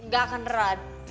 ga akan ra